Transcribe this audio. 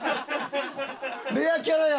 レアキャラや！